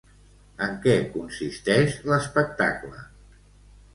En què consisteix l'espectacle?